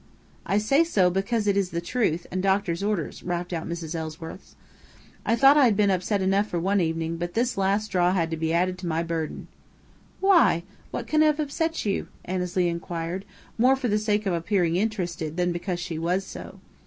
"I say so because it is the truth, and doctor's orders," rapped out Mrs. Ellsworth. "I thought I had been upset enough for one evening, but this last straw had to be added to my burden." "Why, what can have upset you?" Annesley inquired, more for the sake of appearing interested than because she was so.